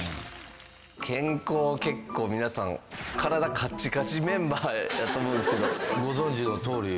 健康結構皆さん体カッチカチメンバーやと思うんですけど。